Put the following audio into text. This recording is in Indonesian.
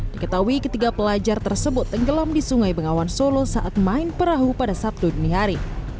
diketahui ketiga pelajar tersebut tenggelam di sungai bengawan solo saat main perahu pada sabtu dini hari